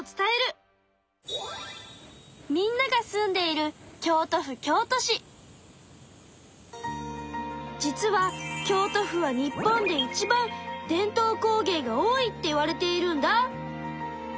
みんなが住んでいる実は京都府は日本でいちばん伝統工芸が多いっていわれているんだ。